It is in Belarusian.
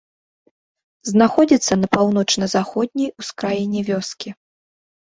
Знаходзіцца на паўночна-заходняй ускраіне вёскі.